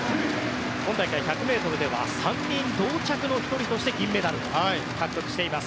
今大会１００ｍでは３人同着の１人として銀メダルを獲得しています。